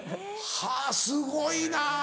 はぁすごいな。